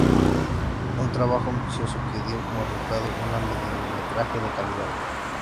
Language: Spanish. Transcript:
Un trabajo ambicioso que dio como resultado un mediometraje de calidad.